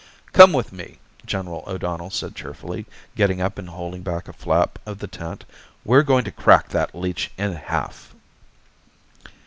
"Come with me," General O'Donnell said cheerfully, getting up and holding back a flap of the tent. "We're going to crack that leech in half."